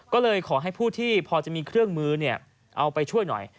ก็เลยขอให้ผู้ที่พอจะมีเครื่องมือเอาไปช่วยหน่อย